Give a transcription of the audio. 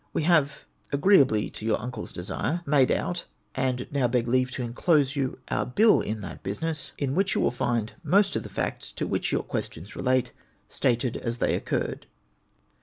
We have, agreeably to yoiu imcle's desire, made out, and noAV beg leave to inclose you <:)ur bill in that business, in Avhich you Avill find most of the facts to AA'ljich your questions relate stated as they occurred.